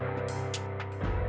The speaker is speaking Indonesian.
mereka pasti akan terpisah